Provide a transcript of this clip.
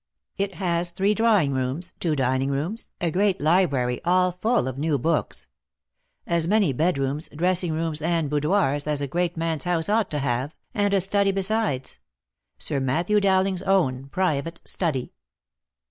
It has three drawing rooms, two dining rooms, a great library, all full of new books; as many bedrooms, dressing rooms, and boudoirs, as a great man's house ought to have, and a study besides — Sir Matthew Dowling's own private study.